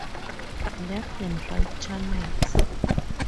Left and Right channels.